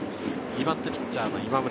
２番手ピッチャーの今村。